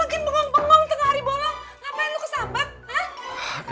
ngapain lo kesampet hah